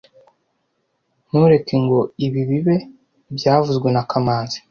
Ntureke ngo ibi bibe byavuzwe na kamanzi